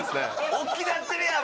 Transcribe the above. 「おっきなってるやん！」